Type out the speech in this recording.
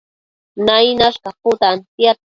Nainash caputantiad